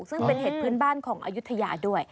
ซึ่งเป็นเห็ดพื้นบ้านของอายุทยาด้วย